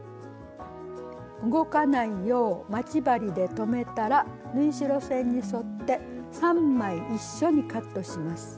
動かないよう待ち針で留めたら縫い代線に沿って３枚一緒にカットします。